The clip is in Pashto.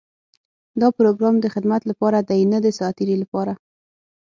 دا پروګرام د خدمت لپاره دی، نۀ د ساعتېري لپاره.